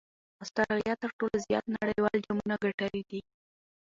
اسټراليا تر ټولو زیات نړۍوال جامونه ګټلي دي.